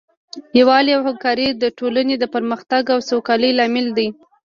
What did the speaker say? یووالی او همکاري د ټولنې د پرمختګ او سوکالۍ لامل دی.